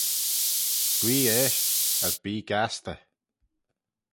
Guee eisht, as bee gastey.